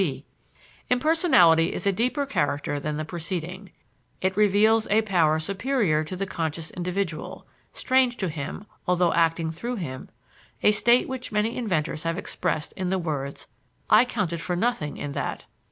(b) Impersonality is a deeper character than the preceding. It reveals a power superior to the conscious individual, strange to him although acting through him: a state which many inventors have expressed in the words, "I counted for nothing in that."